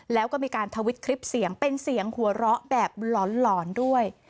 แล้วก็มีการทวิตคลิปเสียงเป็นเสียงหัวเราะแบบหลอนด้วย